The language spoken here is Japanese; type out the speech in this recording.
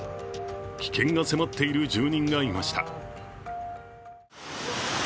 危険が迫っている住人がいました。